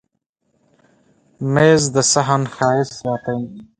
مېز د صحن ښایست زیاتوي.